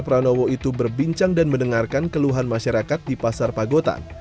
atikoh dan sinta pranowo itu berbincang dan mendengarkan keluhan masyarakat di pasar pagotan